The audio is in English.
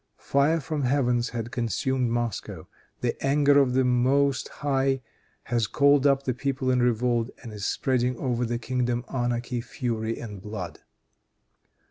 Fire from heaven has consumed Moscow. The anger of the Most High has called up the people in revolt, and is spreading over the kingdom anarchy, fury and blood."